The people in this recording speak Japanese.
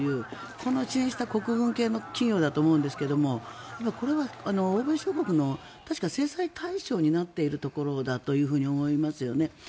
この、支援した国軍系の企業だと思いますがこれが欧米諸国の確か、制裁対象になっているところだと思いますよね。